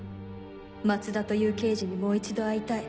「松田という刑事にもう一度会いたい。